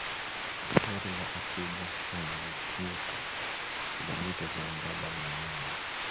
Pori la Akiba Rumanyika kilomita za mraba mia nane